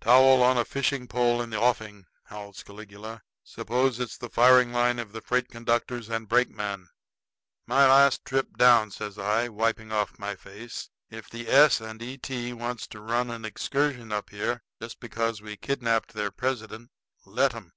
"Towel on a fishing pole in the offing!" howls Caligula. "Suppose it's the firing line of the freight conductors and brakeman." "My last trip down," says I, wiping off my face. "If the S. & E. T. wants to run an excursion up here just because we kidnapped their president, let 'em.